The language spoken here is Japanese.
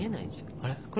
あれ？